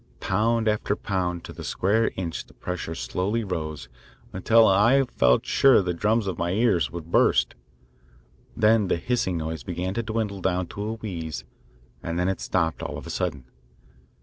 Pound after pound to the square inch the pressure slowly rose until I felt sure the drums of my ears would burst. Then the hissing noise began to dwindle down to a wheeze, and then it stopped all of a sudden.